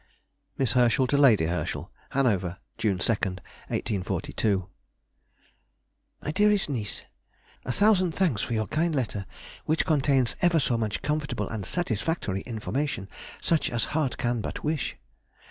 MISS HERSCHEL TO LADY HERSCHEL. HANOVER, June 2, 1842. MY DEAREST NIECE,— A thousand thanks for your kind letter, which contains ever so much comfortable and satisfactory information, such as heart can but wish....